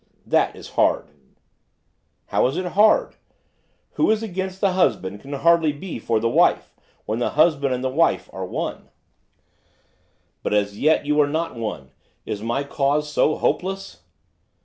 'That is hard.' 'How is it hard? Who is against the husband can hardly be for the wife, when the husband and the wife are one.' 'But as yet you are not one. Is my cause so hopeless?